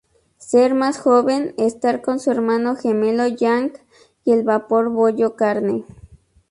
Ser más joven, estar con su hermano gemelo Yang y el vapor bollo carne.